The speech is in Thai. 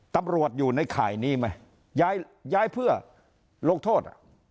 ตำรวจอยู่ในข่ายนี้ไหมย้ายเพื่อลงโทษ